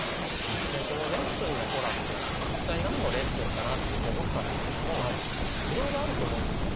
この「レッスンの子ら」って一体何のレッスンかな？って僕思ったんですけどもいろいろあると思うんですよね。